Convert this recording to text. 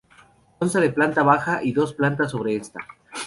Consta de planta baja y dos plantas sobre esta.